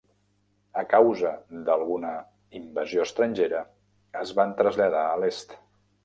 A causa d'alguna invasió estrangera es van traslladar a l'est.